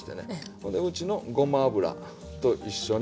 ほんでうちのごま油と一緒に。